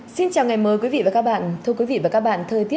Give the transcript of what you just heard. xin chào các bạn